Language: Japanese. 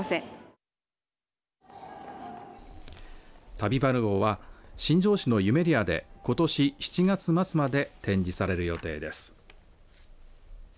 たび丸号は新庄市のゆめりあでことし７月末まで展示される予定です。